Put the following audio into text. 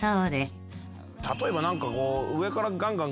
例えば何かこう。